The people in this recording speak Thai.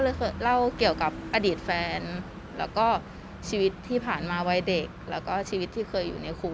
เคยเล่าเกี่ยวกับอดีตแฟนแล้วก็ชีวิตที่ผ่านมาวัยเด็กแล้วก็ชีวิตที่เคยอยู่ในคุก